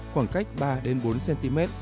khoảng cách ba bốn cm